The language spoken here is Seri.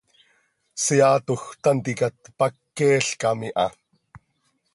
Seaatoj tanticat pac queelcam iha.